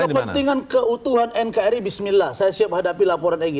kepentingan keutuhan nkri bismillah saya siap hadapi laporan eg